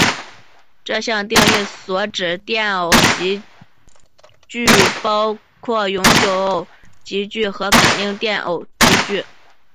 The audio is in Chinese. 这定义所指的电偶极矩包括永久电偶极矩和感应电偶极矩。